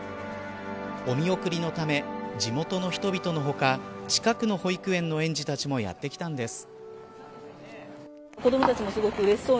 お見送りのため地元の人々の他近くの保育園の園児たちもやってきたんです。